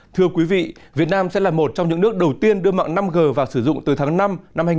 thưa quý vị việt nam sẽ là một trong những nước đầu tiên đưa mạng năm g và sử dụng từ tháng năm năm hai nghìn một mươi chín